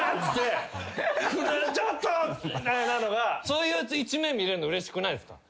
そういう一面見れるのうれしくないですか？